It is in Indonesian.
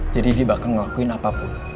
jadi dia bakal ngelakuin apapun